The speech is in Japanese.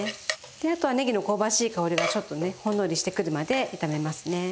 あとはねぎの香ばしい香りがちょっとねほんのりしてくるまで炒めますね。